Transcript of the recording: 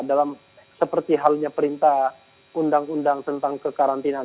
dalam seperti halnya perintah undang undang tentang kekarantinaan